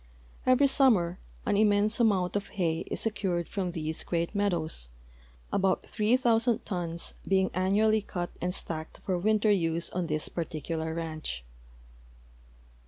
Every summer an immense amount of hay is secured from these great meadows, about three thousand tons being annually cut and stacked for winter use on this particular ranch.